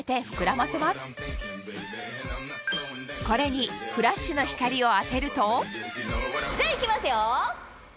これにフラッシュの光を当てるとじゃあいきますよ！